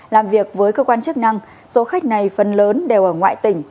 làm việc với cơ quan chức năng số khách này phần lớn đều ở ngoại tỉnh